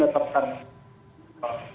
jadi kita tidak bisa menggugurkan